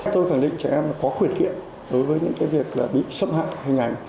tôi khẳng định trẻ em có quyền kiện đối với những việc bị xâm hạ hình ảnh